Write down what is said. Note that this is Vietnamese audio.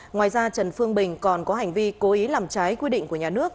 ngoài ra trần phương bình còn có hành vi cố ý làm trái quy định của nhà nước